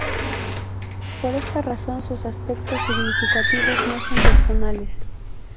Por esta razón sus aspectos significativos no son personales.